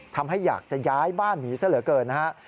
ทำให้อยากจะย้ายบ้านหนีซะเหลือเกินนะฮะ